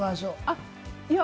あっ、いや！